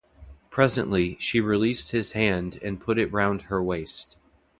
Presently she released his hand and put it round her waist.